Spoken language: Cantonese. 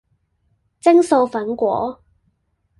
蒸素粉果